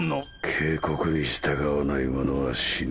警告に従わない者は死ぬ。